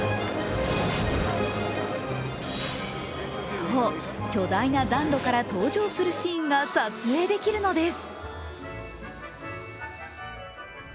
そう、巨大な暖炉から登場するシーンが撮影できるのです。